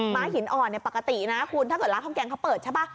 ้าหินอ่อนปกตินะคุณถ้าเกิดร้านข้าวแกงเขาเปิดใช่ป่ะ